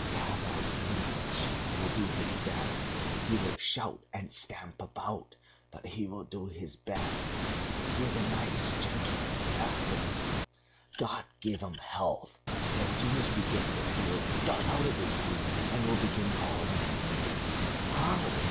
Pavel Ivanitch will do his best. He will shout and stamp about, but he will do his best.... He is a nice gentleman, affable, God give him health! As soon as we get there he will dart out of his room and will begin calling me names. 'How?